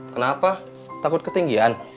kenapa takut ketinggian